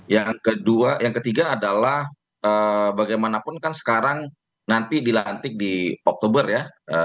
yang ketiga adalah bagaimanapun kan sekarang nanti dilantik di oktober ya